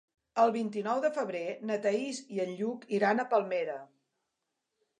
El vint-i-nou de febrer na Thaís i en Lluc iran a Palmera.